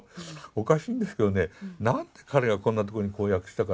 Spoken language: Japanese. おかしいんですけどね何で彼がこんなとこにこう訳したかって。